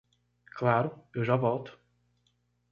Claro, eu já volto.